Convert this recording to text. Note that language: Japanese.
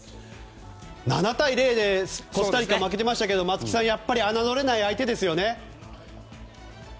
７対０でコスタリカは負けてましたが松木さん、やっぱり侮れない相手ですよね。